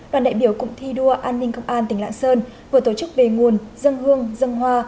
đoàn đại biểu cụm thi đua an ninh công an tỉnh lạng sơn vừa tổ chức về nguồn dân hương dân hoa